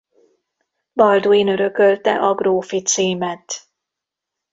Balduin örökölte a grófi címet.